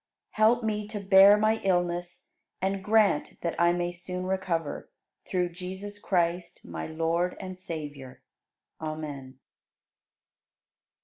Help me to bear my illness and grant that I may soon recover, through Jesus Christ, my Lord and Savior. Amen.